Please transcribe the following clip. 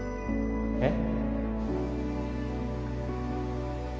えっ？